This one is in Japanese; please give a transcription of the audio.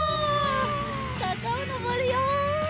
さかをのぼるよ。